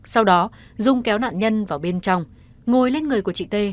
sau đó dung kéo nạn nhân vào bên trong ngồi lên người của chị t